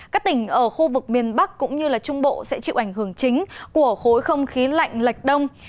các tỉnh ở khu vực miền bắc cũng như trung bộ sẽ chịu ảnh hưởng chính của khối không khí lạnh lệch đông